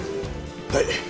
はい。